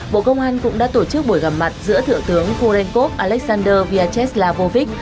bộ công an cũng đã tổ chức buổi gặp mặt giữa thượng tướng kurenkov alexander vyacheslavovic